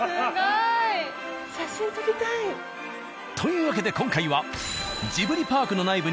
すごい！写真撮りたい。というわけで今回は。